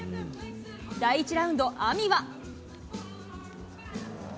第１ラウンド、Ａｍｉは。